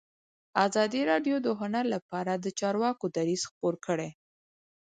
ازادي راډیو د هنر لپاره د چارواکو دریځ خپور کړی.